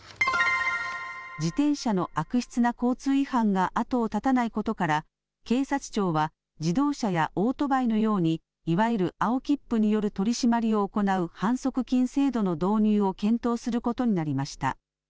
自転車の悪質な交通違反が後を絶たないことから警察庁は自動車やオートバイのようにいわゆる青切符による取締りを行う反則金制度の導入を検討することになりました。